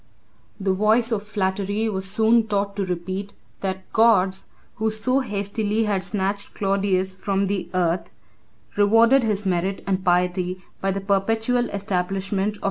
The voice of flattery was soon taught to repeat, that gods, who so hastily had snatched Claudius from the earth, rewarded his merit and piety by the perpetual establishment of the empire in his family.